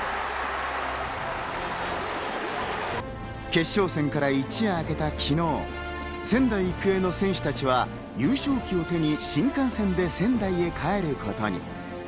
決勝戦から一夜明けた昨日、仙台育英の選手たちは優勝旗を手に新幹線で仙台へ帰ることに。